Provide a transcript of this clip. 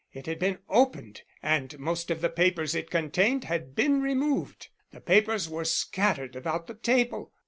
It had been opened and most of the papers it contained had been removed. The papers were scattered about the table.